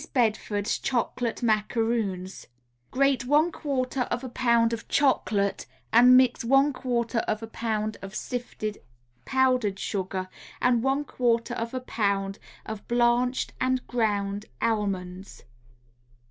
BEDFORD'S CHOCOLATE MACAROONS Grate one quarter of a pound of chocolate and mix one quarter of a pound of sifted powdered sugar and one quarter of a pound of blanched and ground almonds.